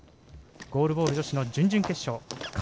ゴールボール女子の準々決勝。